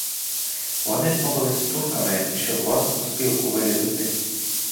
Вони змовилися з турками, щоб вас у спілку вирізати.